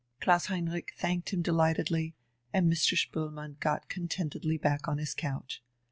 Klaus Heinrich thanked him delightedly, and Mr. Spoelmann got contentedly back on to his couch.